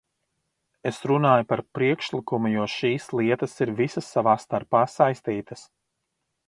Es runāju par priekšlikumu, jo šīs lietas ir visas savā starpā saistītas.